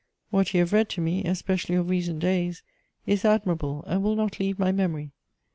What you have read to me, especially of recent days, is admirable and will not leave my memory.